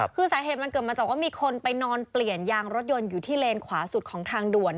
คือสาเหตุมันเกิดมาจากว่ามีคนไปนอนเปลี่ยนยางรถยนต์อยู่ที่เลนขวาสุดของทางด่วน